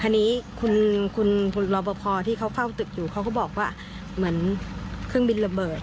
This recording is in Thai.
ทีนี้คุณรอปภที่เขาเฝ้าตึกอยู่เขาก็บอกว่าเหมือนเครื่องบินระเบิด